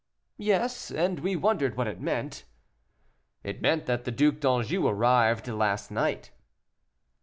"Yes; and we wondered what it meant." "It meant that the Duc d'Anjou arrived last night."